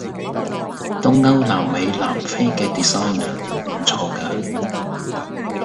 東歐南美南非既 designer 唔差架